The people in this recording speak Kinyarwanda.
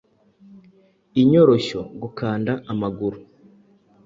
inyoroshyo, gukanda amaguru,